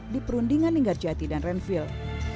di perundingan inggris jati dan renville